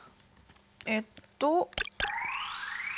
えっと。